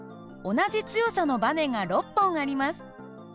同じ強さのばねが６本あります。